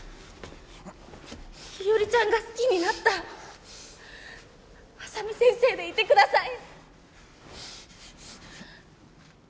日和ちゃんが好きになった浅海先生でいてください。